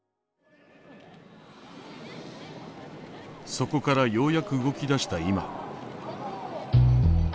そこからようやく動き出した今。